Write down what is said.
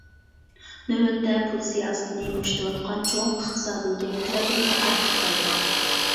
نۆۋەتتە پۇل سىياسىتىنى بوشىتىۋاتقان چوڭ ئىقتىسادىي گەۋدىلەردىن پەقەت خىتاي بار.